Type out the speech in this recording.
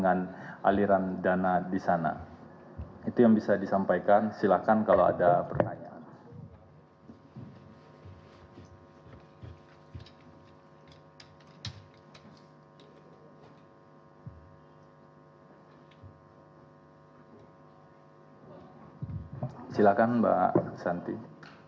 yang diberikan oleh kabupaten kabupaten kabupaten kabupaten